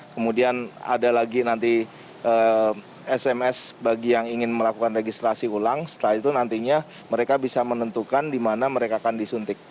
kemudian ada lagi nanti sms bagi yang ingin melakukan registrasi ulang setelah itu nantinya mereka bisa menentukan di mana mereka akan disuntik